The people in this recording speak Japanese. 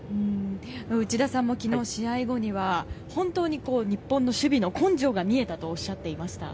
内田さんも試合後には本当に日本の守備の根性が見えたとおっしゃっていました。